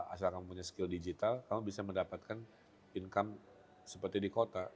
asal kamu punya skill digital kamu bisa mendapatkan income seperti di kota